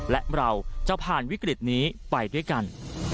และเราจะผ่านวิกฤตนี้ไปด้วยกัน